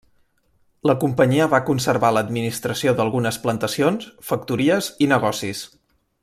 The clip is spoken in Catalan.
La companyia va conservar l'administració d'algunes plantacions, factories i negocis.